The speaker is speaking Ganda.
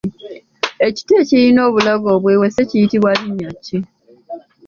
Ekita ekirina obulago obwewese kiyitibwa linnya ki ?